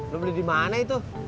lo beli di mana itu